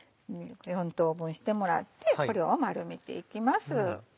４等分してもらってこれを丸めていきます。